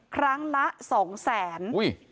ครั้งละ๒แสน